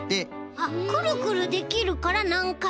あっくるくるできるからなんかいでも。